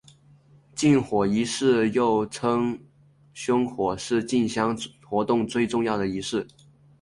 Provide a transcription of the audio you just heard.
进火仪式又称刈火是进香活动最重要的仪式。